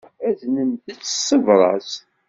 Aznemt-tt s tebṛat.